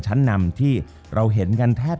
จบการโรงแรมจบการโรงแรม